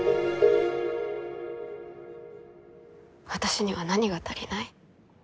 私には何が足りない？